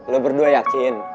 lo berdua yakin